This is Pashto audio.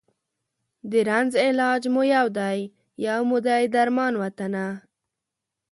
د رنځ علاج مو یو دی، یو مو دی درمان وطنه